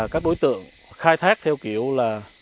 các đối tượng khai thác theo kiểu là